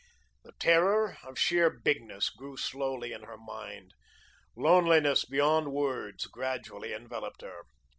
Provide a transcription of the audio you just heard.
The terror of sheer bigness grew slowly in her mind; loneliness beyond words gradually enveloped her.